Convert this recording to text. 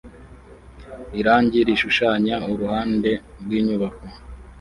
Irangi rishushanya uruhande rwinyubako